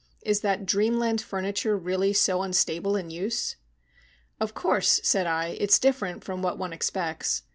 "Is that dreamland furniture really so unstable in use?" "Of course," said I, "it's different from what one expects.